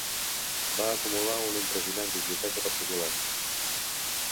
Va acumular una impressionant biblioteca particular.